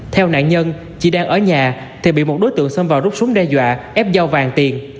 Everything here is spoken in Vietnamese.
theo nạn nhân chỉ đang ở nhà thì bị một đối tượng xâm vào rút xuống đe dọa ép giao vàng tiền